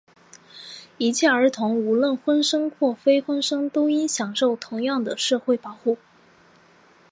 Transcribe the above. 一切儿童,无论婚生或非婚生,都应享受同样的社会保护。